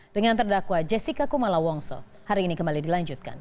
dengan terdakwa jessica kumala wongso hari ini kembali dilanjutkan